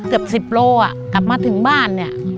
๑๐โลกรัมอ่ะกลับมาถึงบ้านเนี่ย